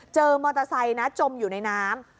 เจอมอเตอร์ไซค์นะจมอยู่ในน้ำ